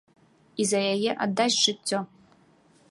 І за яе аддасць жыццё.